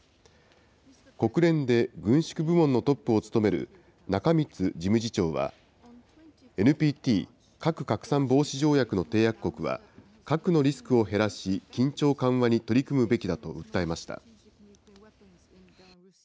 国連で軍縮部門のトップを務める中満事務次長は、ＮＰＴ・核拡散防止条約の締約国は、核のリスクを減らし、緊張緩和に取り組むべきだと訴えました。